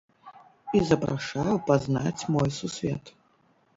І запрашаю пазнаць мой сусвет!